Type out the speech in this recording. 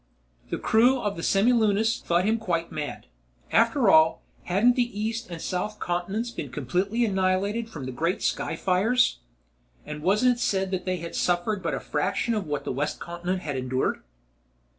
The crew of the Semilunis thought him quite mad. After all, hadn't the east and south continents been completely annihilated from the great sky fires; and wasn't it said that they had suffered but a fraction of what the west continent had endured?